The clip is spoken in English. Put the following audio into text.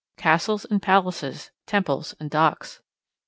Castles and palaces, temples and docks.